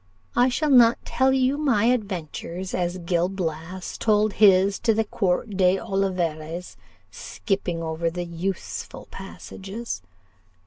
I shall not tell you my adventures as Gil Blas told his to the Count d'Olivarez skipping over the useful passages.